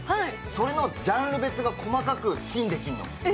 それのジャンル別が細かくチンできんの。